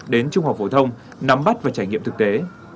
đến trung học phổ thông nắm bắt và trải nghiệm thực tế